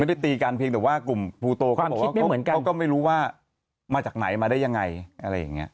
ตีกันเพียงแต่ว่ากลุ่มภูโตเขาบอกว่าเขาก็ไม่รู้ว่ามาจากไหนมาได้ยังไงอะไรอย่างนี้